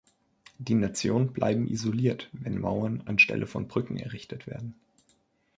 Die Nationen bleiben isoliert, wenn Mauern anstelle von Brücken errichtet werden.